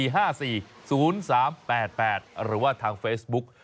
หรือว่าทางเฟซบุ๊ก